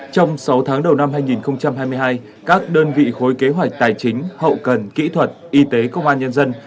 trong sáu tháng đầu năm hai nghìn hai mươi hai các đơn vị khối kế hoạch tài chính hậu cần kỹ thuật y tế công an nhân dân